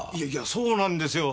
そうなんですよ！